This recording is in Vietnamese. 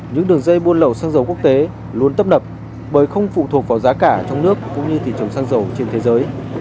những đường dây buôn lẩu xanh dầu quốc tế luôn tấp đập bởi không phụ thuộc vào giá cả trong nước cũng như thị trường xanh dầu trên thế giới